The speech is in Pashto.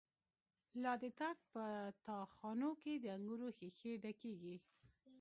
لا د تاک په تا خانو کی، د انگور ښیښی ډکیږی